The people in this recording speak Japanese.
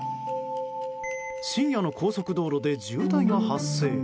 深夜の高速道路で渋滞が発生。